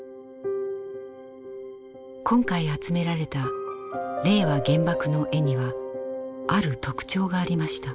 今回集められた「令和原爆の絵」にはある特徴がありました。